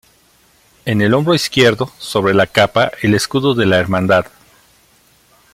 En el hombro izquierdo, sobre la capa, el escudo de la hermandad.